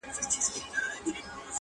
o ښه انگور چغال خوري!